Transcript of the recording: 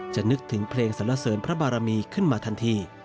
นึกถึงเพลงสรรเสริญพระบารมีขึ้นมาทันที